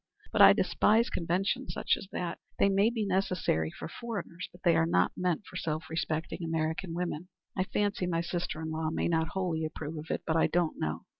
But I despise conventions such as that. They may be necessary for foreigners; but they are not meant for self respecting American women. I fancy my sister in law may not wholly approve of it, but I don't know.